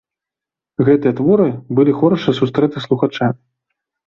Гэтыя творы былі хораша сустрэты слухачамі.